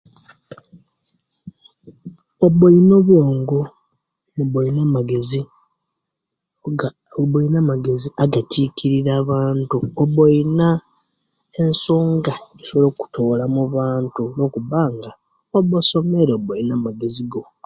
Oba oina obuwong oba oina amagezi aga oba Pina amagezi agachikirira abantu oba oina ensonga ejosobola okutukirira omubantu okubanga oba osomere oina amagezi go.